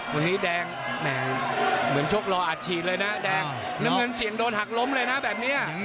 วันนี้แดงเหมือนชกรออาจฉีดเลยนะแดงน้ำเงินเสี่ยงโดนหักล้มเลยนะแบบนี้